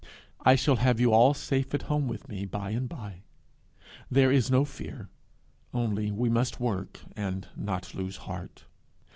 I shall have you all safe home with me by and by! There is no fear, only we must work, and not lose heart.